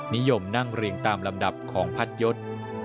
นิยมนั่งเรียงตามลำดับของพัดยศ